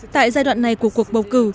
tại giai đoạn này của cuộc bầu cử